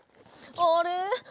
あれ？